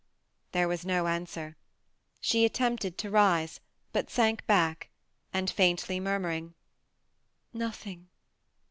'' There was no answer ; she attempted to rise, but sank back, and faintl7 murmured —"^ Nothing."